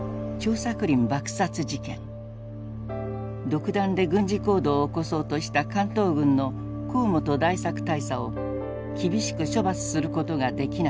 独断で軍事行動を起こそうとした関東軍の河本大作大佐を厳しく処罰することができなかった。